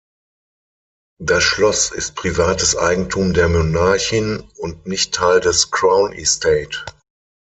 Das Schloss ist privates Eigentum der Monarchin und nicht Teil des Crown Estate.